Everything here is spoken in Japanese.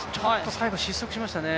最後は失速しましたね。